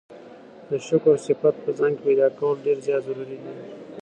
د شکر صفت په ځان کي پيدا کول ډير زيات ضروري دی